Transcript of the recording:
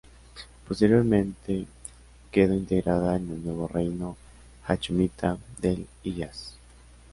Posteriormente quedó integrada en el nuevo reino hachemita del Hiyaz.